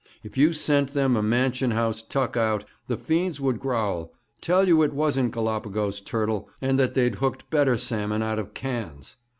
'If you sent them a Mansion House tuck out, the fiends would growl, tell you it wasn't Galapagos turtle, and that they'd hooked better salmon out of cans.